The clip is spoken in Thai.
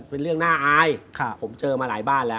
เป็นเรื่องน่าอายผมเจอมาหลายบ้านแล้ว